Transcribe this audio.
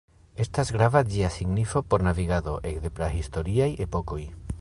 Estas grava ĝia signifo por navigado ekde prahistoriaj epokoj.